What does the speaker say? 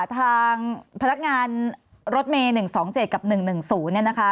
ทางพนักงานรถเมย์๑๒๗กับ๑๑๐เนี่ยนะคะ